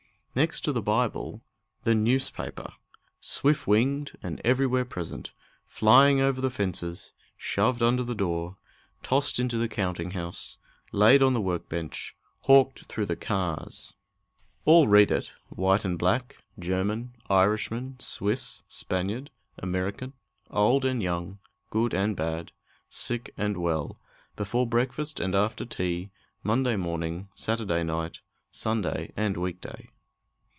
Next to the Bible, the newspaper, swift winged, and everywhere present, flying over the fences, shoved under the door, tossed into the counting house, laid on the work bench, hawked through the cars! All read it: white and black, German, Irishman, Swiss, Spaniard, American, old and young, good and bad, sick and well, before breakfast and after tea, Monday morning, Saturday night, Sunday and week day!